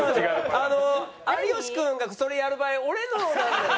あの有吉君がそれやる場合俺のなんだよな。